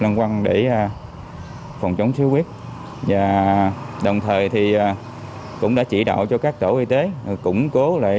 lăng quăng để phòng chống xuất huyết và đồng thời thì cũng đã chỉ đạo cho các tổ y tế củng cố lại